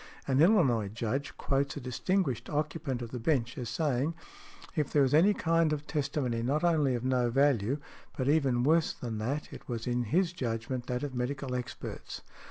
An Illinois Judge quotes a distinguished occupant of the bench as saying, "if there was any kind of testimony not only of no value, but even worse than that, it was in his judgment that of medical experts."